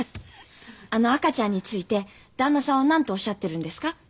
あの赤ちゃんについて旦那さんは何ておっしゃってるんですか？